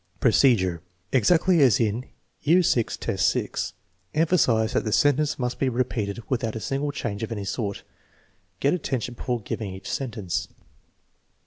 Procedure. Exactly as in VI, 6. Emphasize that the sentence must be repeated without a single change of any sort. Get attention before giving each sentence.